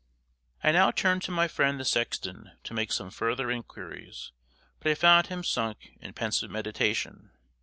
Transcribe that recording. I now turned to my friend the sexton to make some further inquiries, but I found him sunk in pensive meditation.